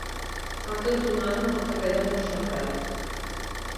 Fa cantonada amb el carrer de Montserrat.